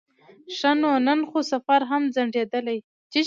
ښه نو نن خو سفر هم ځنډېدلی.